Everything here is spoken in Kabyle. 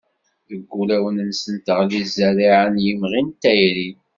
Deg wulawen-nsen teɣli zzerriɛa n yimɣi n tayri.